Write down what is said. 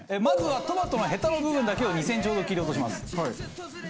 まずはトマトのヘタの部分だけを２センチほど切り落とします。